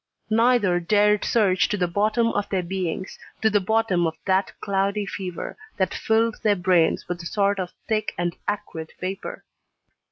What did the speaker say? Neither dared search to the bottom of their beings, to the bottom of that cloudy fever that filled their brains with a sort of thick and acrid vapour.